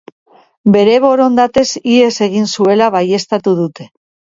Bere borondatez ihes egin zuela baieztatu dute.